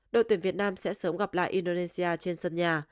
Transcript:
đội tuyển việt nam sẽ sớm gặp lại indonesia trên sân nhà